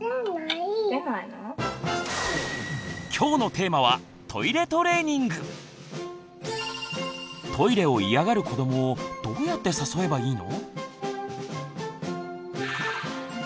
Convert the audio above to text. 今日のテーマはトイレを嫌がる子どもをどうやって誘えばいいの？